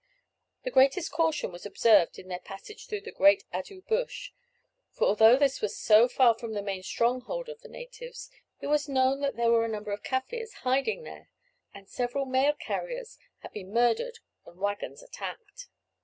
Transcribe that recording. The greatest caution was observed in their passage through the great Addoo Bush, for although this was so far from the main stronghold of the natives, it was known that there were numbers of Kaffirs hiding there, and several mail carriers had been murdered and waggons attacked.